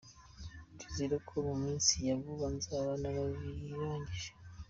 Ndizera ko mu minsi ya vuba nzaba nabirangije.”